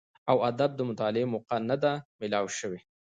او ادب د مطالعې موقع نۀ ده ميلاو شوې